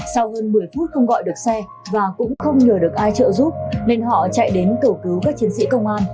sau hơn một mươi phút không gọi được xe và cũng không nhờ được ai trợ giúp nên họ chạy đến cầu cứu các chiến sĩ công an